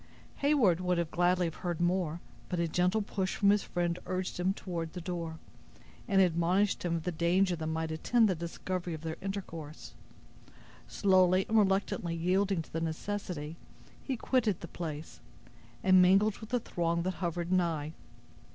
Heyward would gladly have heard more, but a gentle push from his friend urged him toward the door, and admonished him of the danger that might attend the discovery of their intercourse. Slowly and reluctantly yielding to the necessity, he quitted the place, and mingled with the throng that hovered nigh.